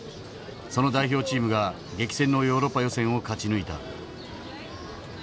その代表チームが激戦のヨーロッパ予選を勝ち抜いた。